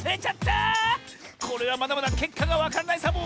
これはまだまだけっかがわからないサボ！